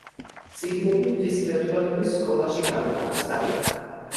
წიგნები ღვთისმეტყველების სკოლაში განთავსდა.